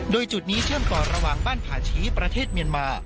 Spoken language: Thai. โดยจุดนี้เชื่อมต่อระหว่างบ้านผาชี้ประเทศเมียนมา